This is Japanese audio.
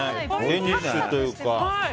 デニッシュというか。